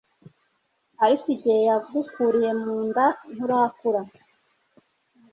Ariko igihe yagukuriye mu nda nturakura